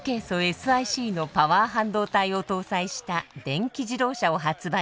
ＳｉＣのパワー半導体を搭載した電気自動車を発売。